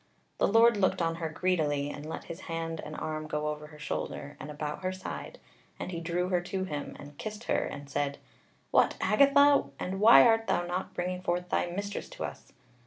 The Lord looked on her greedily, and let his hand and arm go over her shoulder, and about her side, and he drew her to him, and kissed her, and said: "What, Agatha! and why art thou not bringing forth thy mistress to us?"